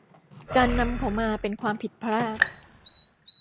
การนำเขามาเป็นความผิดพลาด